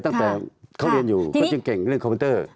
ตั้งแต่เขาเรียนอยู่จึงเก่งเรียนล่วงของของเนอร์